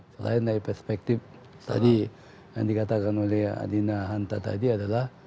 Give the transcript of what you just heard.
selain dari perspektif tadi yang dikatakan oleh adina hanta tadi adalah